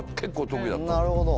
なるほど。